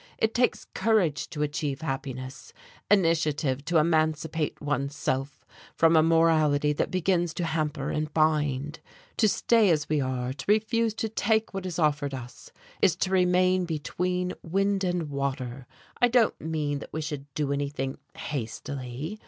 It takes courage to achieve happiness, initiative to emancipate one's self from a morality that begins to hamper and bind. To stay as we are, to refuse to take what is offered us, is to remain between wind and water. I don't mean that we should do anything hastily.